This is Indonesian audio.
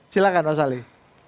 silahkan mas ali